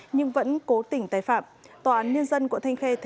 nhưng vẫn cố tỉnh tài phạm